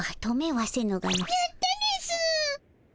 やったですぅ！